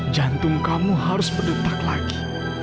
jantung kamu harus berdetak lagi